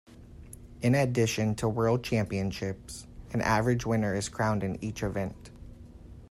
In addition to world championships, an average winner is crowned in each event.